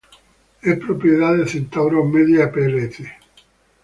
Es propiedad de Centaur Media plc.